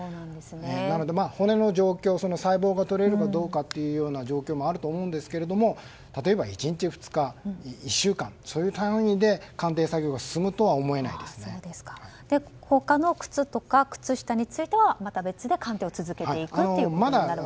なので、骨の状況、細胞が取れるかどうかという状況があると思うんですが例えば１日２日、１週間そういう単位で鑑定作業が進むとは他の靴や靴下についてはまた別で鑑定を続けていくということになるわけですね。